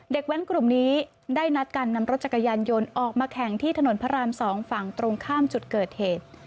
แว้นกลุ่มนี้ได้นัดการนำรถจักรยานยนต์ออกมาแข่งที่ถนนพระราม๒ฝั่งตรงข้ามจุดเกิดเหตุ